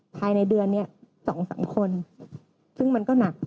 ภายในเดือนเนี้ยสองสามคนซึ่งมันก็หนัก